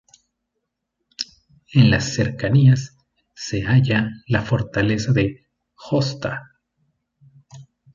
En las cercanías se halla la fortaleza de Josta.